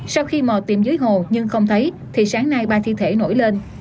sau khi mò tìm dưới hồ nhưng không thấy thì sáng nay ba thi thể nổi lên